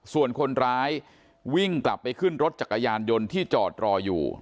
ส่วนคนร้ายวิ่งกลับไปขึ้นรถจักรยานยนต์ที่จอดรออยู่